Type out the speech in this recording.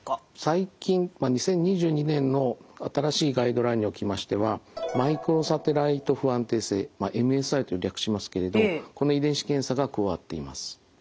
最近まあ２０２２年の新しいガイドラインにおきましてはマイクロサテライト不安定性ＭＳＩと略しますけれどこの遺伝子検査が加わっています。